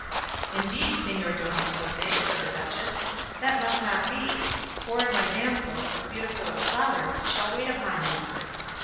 "Indeed, Señor Don Quixote," said the duchess, "that must not be; four of my damsels, as beautiful as flowers, shall wait upon you."